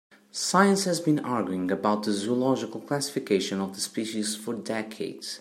Science has been arguing about the zoological classification of the species for decades.